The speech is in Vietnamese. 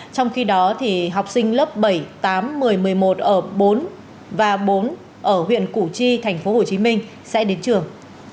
trong khi đó học sinh lớp bảy tám một mươi một mươi một ở bốn và bốn ở huyện củ chi tp hcm sẽ đến trường